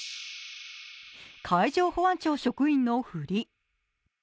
海上保安庁の職員のふり。